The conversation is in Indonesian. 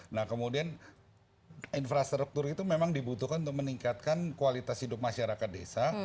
nah kemudian infrastruktur itu memang dibutuhkan untuk meningkatkan kualitas hidup masyarakat desa